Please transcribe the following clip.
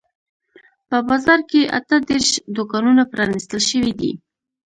په بازار کې اته دیرش دوکانونه پرانیستل شوي دي.